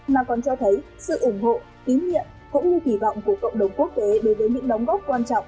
mà còn cho thấy sự ủng hộ tín nhiệm cũng như kỳ vọng của cộng đồng quốc tế đối với những đóng góp quan trọng